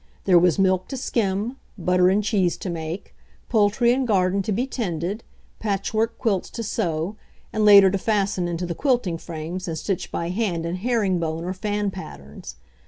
There was milk to skim, butter and cheese to make, poultry and garden to be tended, patch work quilts to sew, and later to fasten into the quilting frames and stitch by hand in herring bone or fan patterns.